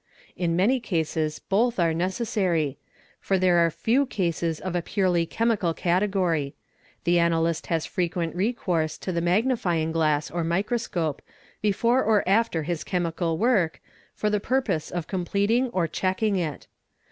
In many cases bot ; are necessary, for there are few cases of a purely chemical category ; th analyst has frequent recourse to the magnifying glass or microseoj before or after his chemical work, for the purpose of completing or chee ing it.